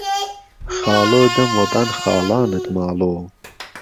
خاڵۆ دهم وه بان خاڵانت ماڵۆ